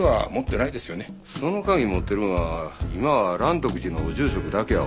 その鍵持ってるんは今は嵐徳寺の住職だけやわ。